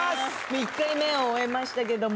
１回目を終えましたけども。